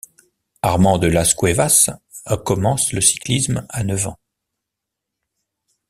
Armand de Las Cuevas commence le cyclisme à neuf ans.